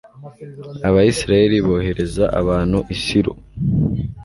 abayisraheli bohereza abantu i silo